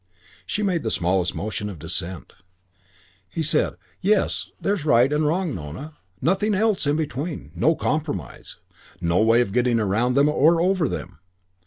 She made the smallest motion of dissent. He said, "Yes. There's right and wrong, Nona. Nothing else in between. No compromise. No way of getting round them or over them.